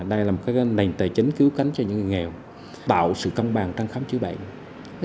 đây là một nền tài chính cứu cánh cho những người nghèo tạo sự công bằng trong khám chữa bệnh